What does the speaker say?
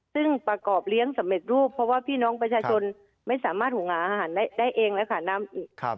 ซึ่งประกอบเลี้ยงสำเร็จรูปเพราะว่าพี่น้องประชาชนไม่สามารถหุงหาอาหารได้เองแล้วค่ะน้ำอีก